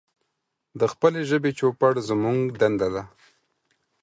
د خپلې ژبې چوپړ زمونږ دنده ده.